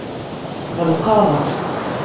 Ɣelqeɣ.